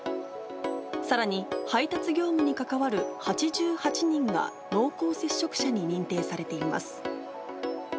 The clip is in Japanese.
さらに、配達業務に関わる８８人が濃厚接触者に認定されています。